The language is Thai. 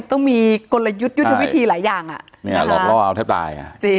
ต้องมีกลยุทธวิธีหลายอย่างหลอกล่อเอาแทบตาย